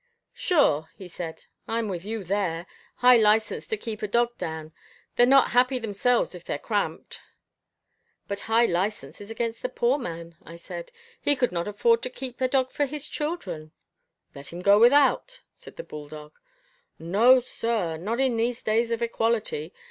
"Sure," he said, "I'm with you there. High license to keep dogs down. They're not happy themselves if they're cramped." "But high license is against the poor man," I said. "He could not afford to keep a dog for his children." "Let him go without," said the bulldog. "No, sir, not in these days of equality.